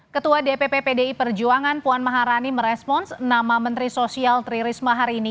ketua dpp pdi perjuangan puan maharani merespons nama menteri sosial tri risma hari ini